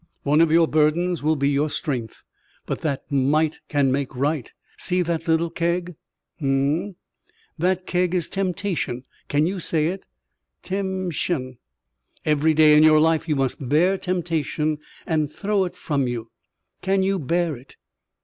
One of your burdens will be your strength. But that might can make right. See that little keg?" "Mmmmm." "That keg is temptation. Can you say it?" "Temshun." "Every day in your life you must bear temptation and throw it from you. Can you bear it?"